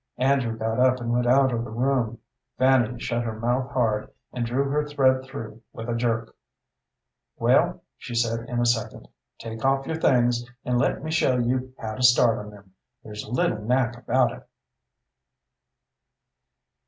Andrew got up and went out of the room. Fanny shut her mouth hard, and drew her thread through with a jerk. "Well," she said, in a second, "take off your things, and let me show you how to start on them. There's a little knack about it."